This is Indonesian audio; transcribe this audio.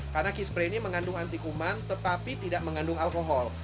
karena key spray ini mengandung anti kuman tetapi tidak mengandung alkohol